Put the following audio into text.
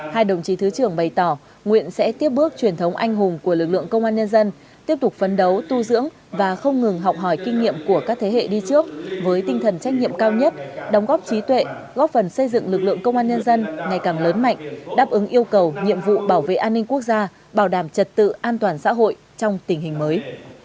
hai đồng chí thứ trưởng bày tỏ nguyện sẽ tiếp bước truyền thống anh hùng của lực lượng công an nhân dân tiếp tục phân đấu tu dưỡng và không ngừng học hỏi kinh nghiệm của các thế hệ đi trước với tinh thần trách nhiệm cao nhất đóng góp trí tuệ góp phần xây dựng lực lượng công an nhân dân ngày càng lớn mạnh đáp ứng yêu cầu nhiệm vụ bảo vệ an ninh quốc gia bảo đảm trật tự an toàn xã hội trong tình hình mới